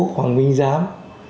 hoàng minh giám